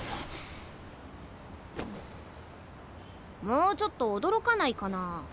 もうちょっと驚かないかなあ。